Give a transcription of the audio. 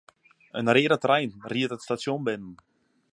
In reade trein ried it stasjon binnen.